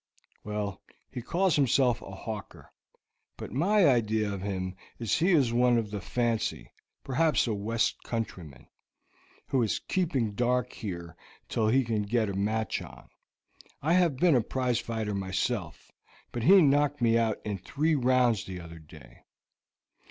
"Well, he calls himself a hawker; but my idea of him is he is one of the fancy, perhaps a west countryman, who is keeping dark here till he can get a match on. I have been a prize fighter myself, but he knocked me out in three rounds the other day."